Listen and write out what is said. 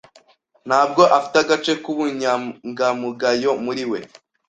Ntabwo afite agace k'ubunyangamugayo muri we.